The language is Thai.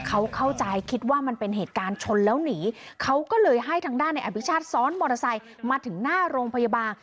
เขาเข้าใจคิดว่ามันเป็นเหตุการณ์ชนแล้วหนีเขาก็เลยให้ทางด้านในอภิชาติซ้อนมอเตอร์ไซค์มาถึงหน้าโรงพยาบาล